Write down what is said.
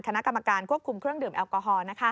คณะกรรมการควบคุมเครื่องดื่มแอลกอฮอล์